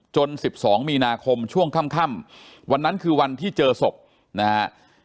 จนสิบสองมีนาคมช่วงค่ำค่ำวันนั้นคือวันที่เจอศพนะฮะ